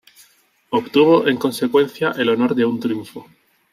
Obtuvo, en consecuencia, el honor de un triunfo.